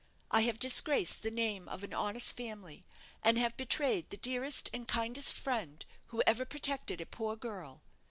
I have disgraced the name of an honest family, and have betrayed the dearest and kindest friend who ever protected a poor girl.